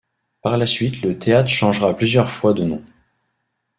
Par la suite le théâtre changera plusieurs fois de nom.